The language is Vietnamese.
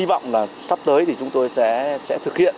thì chúng tôi hy vọng là sắp tới thì chúng tôi sẽ sẽ thực hiện